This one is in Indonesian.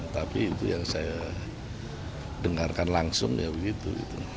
tapi itu yang saya dengarkan langsung ya begitu